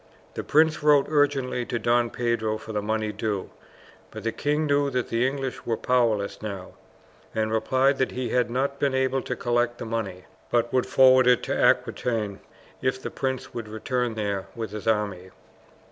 The prince wrote urgently to Don Pedro for the money due; but the king knew that the English were powerless now, and replied that he had not been able to collect the money, but would forward it to Aquitaine, if the prince would return there with his army.